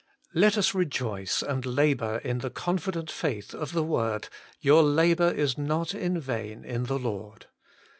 Let us rejoice and labour in the confident faith of the word :' Your labour is not in vain in the Lord.